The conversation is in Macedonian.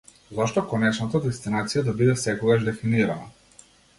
Зошто конечната дестинација да биде секогаш дефинирана?